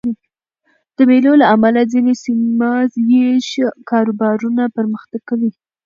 د مېلو له امله ځيني سیمه ییز کاروبارونه پرمختګ کوي.